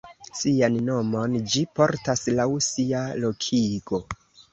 Sian nomon ĝi portas laŭ sia lokigo.